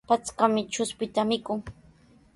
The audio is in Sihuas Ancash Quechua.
Patrkami chuspita mikun.